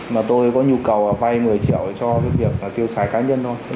mà tôi có nhu cầu vay một mươi triệu cho việc tiêu xài cá nhân thôi